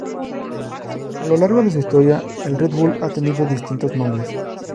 A lo largo de su historia, el Red Bull ha tenido distintos nombres.